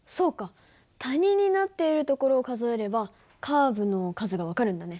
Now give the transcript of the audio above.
谷になっているところを数えればカーブの数が分かるんだね。